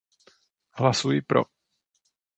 Hlasuji pro.